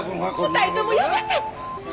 ２人ともやめて！